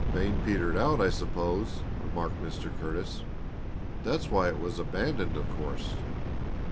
"Vein petered out, I suppose," remarked Mr. Curtis. "That's why it was abandoned, of course."